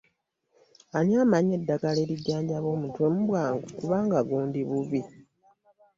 Ani amanyi eddagala erijjanjaba omutwe mu bwangu kubanga gundi bubi?